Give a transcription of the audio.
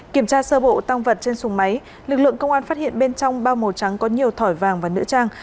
kiểm tra sơ bộ tăng vật trên sùng máy lực lượng công an phát hiện bên trong bao màu trắng có nhiều thỏi vàng và nữ trang